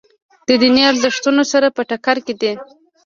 د دیني ارزښتونو سره په ټکر کې دي.